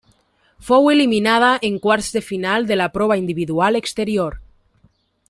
Fou eliminada en quarts de final de la prova individual exterior.